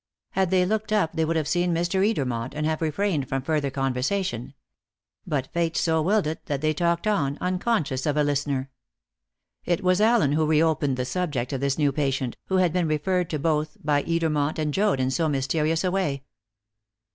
Had they looked up they would have seen Mr. Edermont, and have refrained from further conversation. But Fate so willed it that they talked on, unconscious of a listener. It was Allen who reopened the subject of his new patient, who had been referred to both by Edermont and Joad in so mysterious a way.